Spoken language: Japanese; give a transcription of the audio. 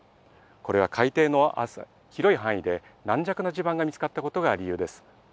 これは海底の広い範囲で、軟弱な地盤が見つかったことが理由です。